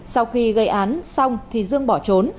sau khi gây án xong thì dương bỏ trốn